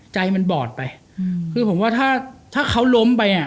ใจมันบอดไปคือผมว่าถ้าถ้าเขาล้มไปอ่ะ